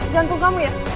jantung kamu ya